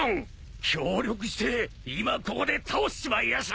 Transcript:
協力して今ここで倒しちまいやしょう！